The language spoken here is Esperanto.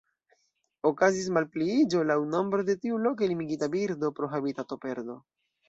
Okazis malpliiĝo laŭ nombro de tiu loke limigita birdo pro habitatoperdo.